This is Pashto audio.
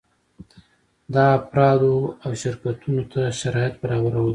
دا افرادو او شرکتونو ته شرایط برابرول دي.